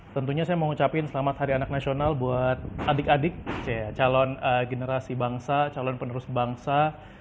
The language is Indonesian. tentunya saya mau ngucapin selamat hari anak nasional buat adik adik calon generasi bangsa calon penerus bangsa